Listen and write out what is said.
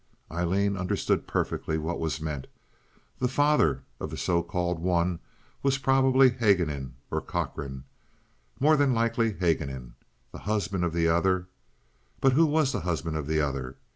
Aileen understood perfectly what was meant. "The father" of the so called "one" was probably Haguenin or Cochrane, more than likely Haguenin. "The husband of the other"—but who was the husband of the other?